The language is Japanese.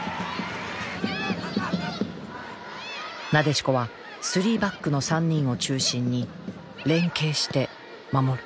なでしこは３バックの３人を中心に連係して守る。